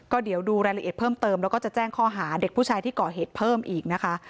ก็เดี๋ยวดูรายละเอียดเพิ่มเติมแล้วก็จะแจ้งข้อหาเด็กผู้ชายที่ก่อเหตุเพิ่มอีกนะคะ